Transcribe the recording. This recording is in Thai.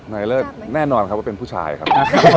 นายเลิศแน่นอนครับว่าเป็นผู้ชายครับ